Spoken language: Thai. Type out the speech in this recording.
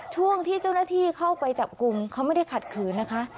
ช่วงที่เจ้าหน้าที่เข้าไปจับกลุ่มเขาไม่ได้ขัดขืนนะคะ